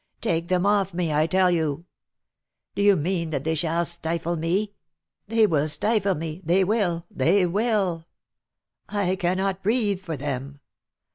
Take them off me, I tell you ! Do you mean that they shall stifle me? They will stifle me! — they will, they will. I cannot breathe for them